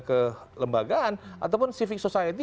kelembagaan ataupun civic society